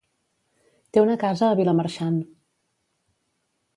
Té una casa a Vilamarxant.